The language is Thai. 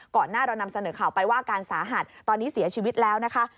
หน้าเรานำเสนอข่าวไปว่าอาการสาหัสตอนนี้เสียชีวิตแล้วนะคะ